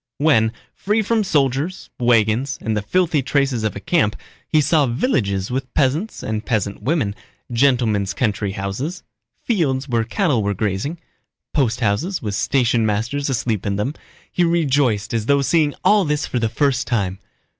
When—free from soldiers, wagons, and the filthy traces of a camp—he saw villages with peasants and peasant women, gentlemen's country houses, fields where cattle were grazing, posthouses with stationmasters asleep in them, he rejoiced as though seeing all this for the first time.